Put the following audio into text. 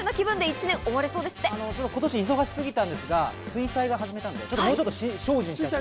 今年忙しすぎたんですが水彩画始めたんでもうちょっと精進したいと。